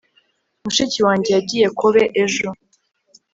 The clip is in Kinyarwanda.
mushiki wanjye yagiye kobe ejo